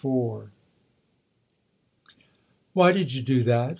XXIV " WHY did you do that